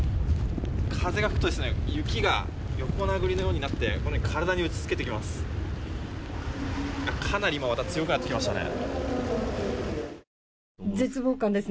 風が吹くと雪が横殴りのようになって体に打ち付けてきます。